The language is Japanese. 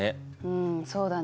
んそうだね。